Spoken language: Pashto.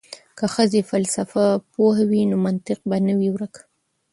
که ښځې فلسفه پوهې وي نو منطق به نه وي ورک.